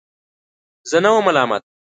زه نه وم ملامت.